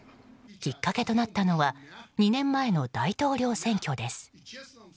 きっかけとなったのは２年前の大統領選挙です。